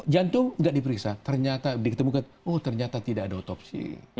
jantung tidak diperiksa ternyata diketemukan oh ternyata tidak ada otopsi